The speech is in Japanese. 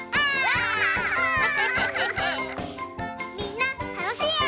みんなたのしいえを。